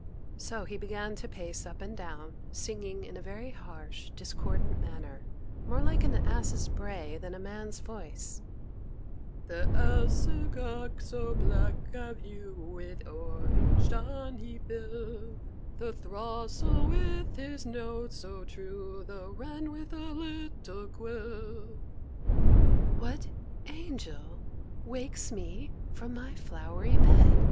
So he began to pace up and down, singing in a very harsh, discordant manner, more like an ass's bray than a man's voice: "The ousel cock so black of hue, With orange tawny bill, The throstle with his note so true, The wren with little quill " "What angel wakes me from my flowery bed?"